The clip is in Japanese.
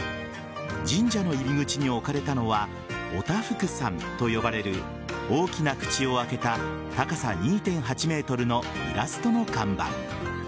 神社の入り口に置かれたのはお多福さんと呼ばれる大きな口を開けた高さ２．８ｍのイラストの看板。